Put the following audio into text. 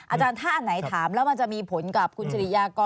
อาจารย์ถ้าอันไหนถามแล้วมันจะมีผลกับคุณสิริยากร